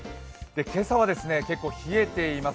今朝はですね、結構冷えています